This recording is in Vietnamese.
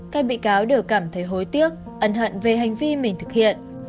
các bị cáo đều cảm thấy hối tiếc ẩn hận về hành vi mình thực hiện